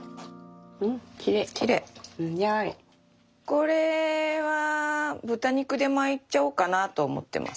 これは豚肉で巻いちゃおうかなと思ってます。